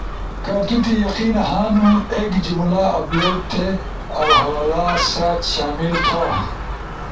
کہ تو تی یقین ہنو ایک جملہ اپلوڈ تھی، اؤ حوالہ سأت شامل تھا۔